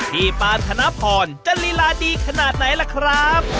ปานธนพรจะลีลาดีขนาดไหนล่ะครับ